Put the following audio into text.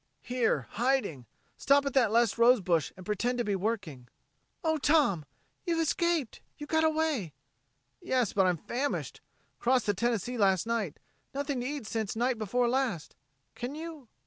"Here hiding. Stop at that last rose bush and pretend to be working." "Oh, Tom you escaped! You got away!" "Yes, but I'm famished. Crossed the Tennessee last night nothing to eat since night before last. Can you...?"